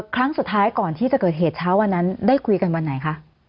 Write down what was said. ครั้งสุดท้ายก่อนที่จะเกิดเหตุเช้าวันนั้นได้คุยกันวันไหนคะ